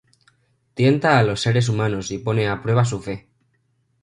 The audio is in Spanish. Tienta a los seres humanos y pone a prueba su fe.